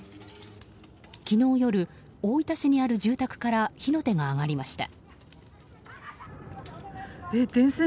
昨日夜、大分市にある住宅から火の手が上がりました。